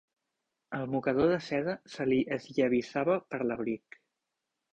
El mocador de seda se li esllavissava per l'abric.